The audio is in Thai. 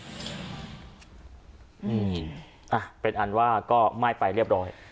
อืมอ่ะเป็นอันว่าก็ไหม้ไปเรียบร้อย